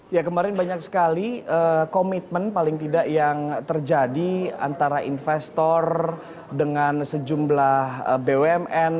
ya kemarin banyak sekali komitmen paling tidak yang terjadi antara investor dengan sejumlah bumn